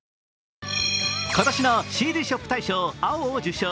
今年のＣＤショップ大賞「青」を受賞。